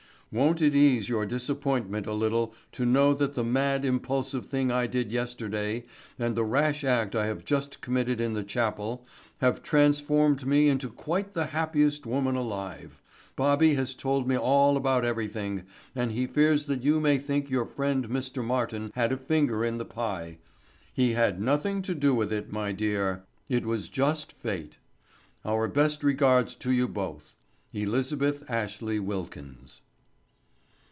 WON'T IT EASE YOUR DISAPPOINTMENT A LITTLE TO KNOW THAT THE MAD IMPULSIVE THING I DID YESTERDAY AND THE RASH ACT I HAVE JUST COMMITTED IN THE CHAPEL HAVE TRANSFORMED ME INTO QUITE THE HAPPIEST WOMAN ALIVE—BOBBY HAS TOLD ME ALL ABOUT EVERYTHING AND HE FEARS THAT YOU MAY THINK YOUR FRIEND MR. MARTIN HAD A FINGER IN THE PIE—HE HAD NOTHING TO DO WITH IT, MY DEAR—IT WAS JUST FATE. OUR BEST REGARDS TO YOU BOTH. ELIZABETH ASHLEY WILKINS.